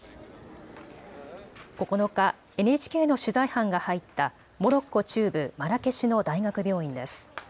９日、ＮＨＫの取材班が入ったモロッコ中部マラケシュの大学病院です。